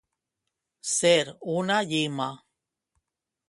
Ser una llima.